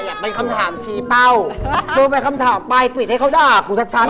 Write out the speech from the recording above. อย่าไปคำถามชี้เป้าโดยไปคำถามไปปิดให้เขาด้ากูสัดชั้นเหรอ